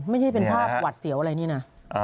ไม่ใช่เป็นภาพหวัดเสียวอะไรนี่นะ